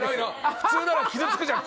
普通なら傷つくじゃん